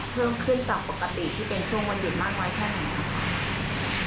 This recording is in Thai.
เพิ่มขึ้นจากปกติที่เป็นช่วงวันหยุดมากน้อยแค่ไหนครับ